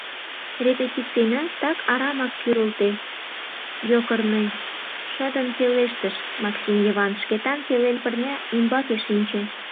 — Репетицийна так арамак кӱрылтӧ, йокырный! — шыдын пелештыш Максим Йыван, Шкетан пелен пырня ӱмбаке шинче.